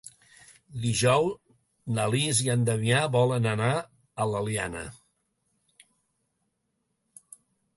Dijous na Lis i en Damià volen anar a l'Eliana.